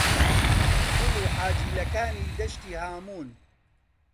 «گوڵ و حاجیلەکانی دەشتی هاموون»